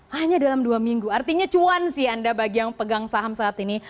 hanya dalam dua minggu artinya cuan sih anda bagi yang pegang saham saat ini